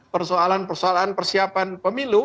persoalan persoalan persiapan pemilu